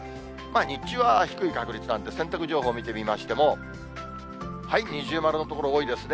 日中は低い確率なんで、洗濯情報見てみましても、二重丸の所多いですね。